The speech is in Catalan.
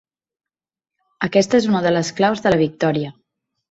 Aquesta és una de les claus de la victòria.